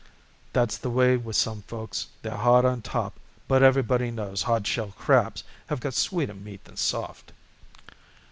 "That's the way with some folks; they're hard on top, but everybody knows hard shell crabs have got sweeter meat than soft."